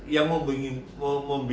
yang membingungkan personil itu sendiri